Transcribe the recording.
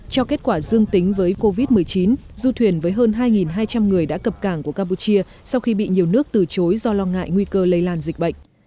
cho kết quả dương tính với covid một mươi chín du thuyền với hơn hai hai trăm linh người đã cập cảng của campuchia sau khi bị nhiều nước từ chối do lo ngại nguy cơ lây lan dịch bệnh